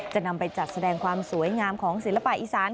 จะนำไปจัดแสดงความสวยงามของศิลปะอีสาน